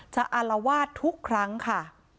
อารวาสทุกครั้งค่ะ